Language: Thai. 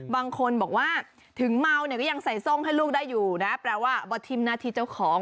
บางคนบอกว่าถึงเมาเนี่ยก็ยังใส่ส้มให้ลูกได้อยู่นะแปลว่าบอทิมหน้าที่เจ้าของ